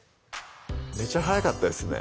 めちゃ早かったですね